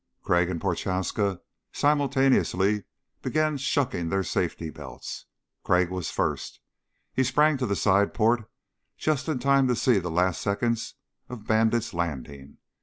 Crag and Prochaska simultaneously began shucking their safety belts. Crag was first. He sprang to the side port just in time to see the last seconds of Bandit's landing.